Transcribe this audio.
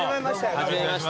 初めまして。